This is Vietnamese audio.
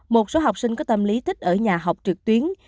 một số học sinh có tâm lý thích ở nhà học trực tuyến